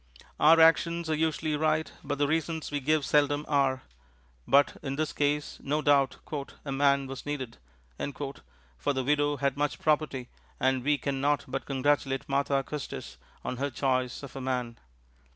Our actions are usually right, but the reasons we give seldom are; but in this case no doubt "a man was needed," for the widow had much property, and we can not but congratulate Martha Custis on her choice of "a man."